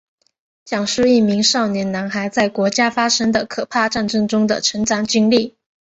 讲述一名少年男孩在国家发生的可怕战争中的成长经历。